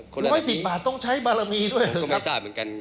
คนละ๑๐บาทต้องใช้บารมีด้วยหรือครับผมก็ไม่ทราบเหมือนกัน